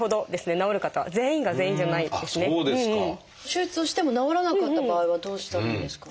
手術をしても治らなかった場合はどうしたらいいんですか？